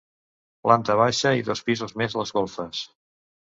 Planta baixa i dos pisos més les golfes.